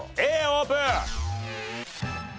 Ａオープン！